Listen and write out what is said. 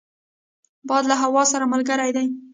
باد له هوا سره ملګری دی